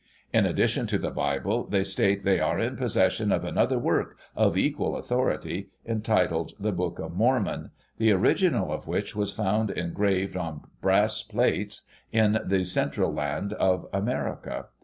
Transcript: In addition to the Bible, they state they are in possession of another work, of equal authority, entitled The Book of Mormon^ the original of which was found engraved on brass plates, in the central land of America.